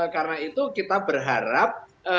karena itu kita berharap